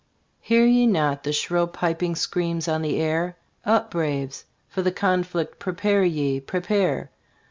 Hear ye not the shrill piping sc earns on the air ? Up, Braves ! For the conflict prepare ye prepare